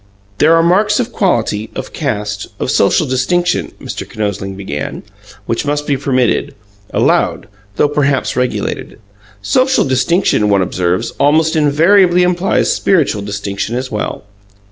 "There are marks of quality, of caste, of social distinction," Mr. Kinosling began, "which must be permitted, allowed, though perhaps regulated. Social distinction, one observes, almost invariably implies spiritual distinction as well.